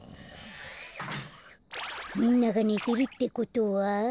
みんながねてるってことは。